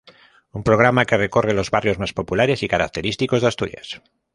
Un programa, que recorre los barrios más populares y característicos de Asturias.